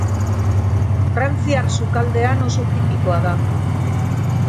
Frantziar sukaldean oso tipikoa da.